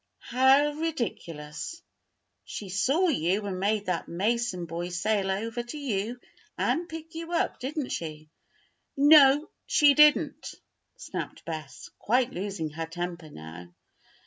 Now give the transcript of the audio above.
"How ridiculous! She saw you and made that Mason boy sail over to you and pick you up, didn't she?" "No, she didn't!" snapped Bess, quite losing her temper now.